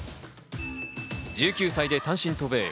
１９歳で単身渡米。